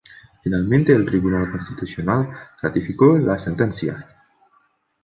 Finalmente el Tribunal Constitucional ratificó la sentencia.